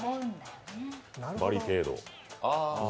バリケード。